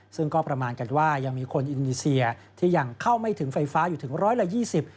ซึ่งก็ประมาณกันว่ายังมีคนอินโดนีเซียที่ยังเข้าไม่ถึงไฟฟ้าอยู่ถึงร้อยละยี่สิบ